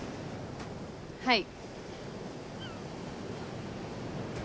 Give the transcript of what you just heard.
はい。